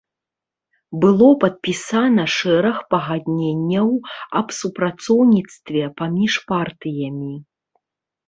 Было падпісана шэраг пагадненняў аб супрацоўніцтве паміж партыямі.